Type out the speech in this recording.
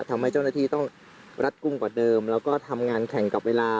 ทำให้เจ้าหน้าที่ต้องรัดกุ้งกว่าเดิมแล้วก็ทำงานแข่งกับเวลา